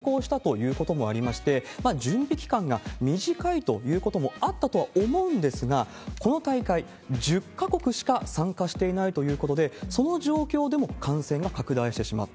２週間前に、急きょブラジルにかいさいちが変更したということもありまして、準備期間が短いということもあったとは思うんですが、この大会、１０か国しか参加していないということで、その状況でも感染が拡大してしまった。